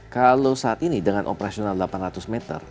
kalau saat ini dengan operasional delapan ratus meter